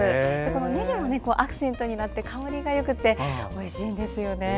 ねぎもアクセントになってて香りがよくておいしいんですよね。